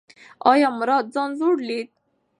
ایا مراد ځان زوړ لید؟